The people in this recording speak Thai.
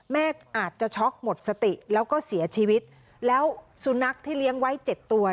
แม่อาจจะช็อกหมดสติแล้วก็เสียชีวิตแล้วสุนัขที่เลี้ยงไว้เจ็ดตัว